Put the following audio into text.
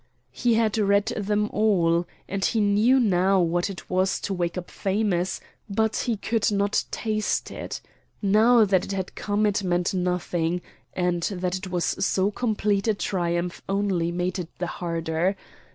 He had read them all, and he knew now what it was to wake up famous, but he could not taste it. Now that it had come it meant nothing, and that it was so complete a triumph only made it the harder.